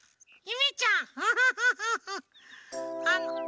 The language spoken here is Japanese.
ゆめちゃん？